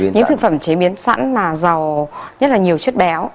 những thực phẩm chế biến sẵn mà giàu nhất là nhiều chất béo